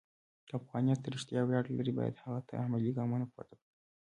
که افغانیت رښتیا ویاړ لري، باید هغه ته عملي ګامونه پورته کړو.